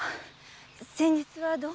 先日はどうも。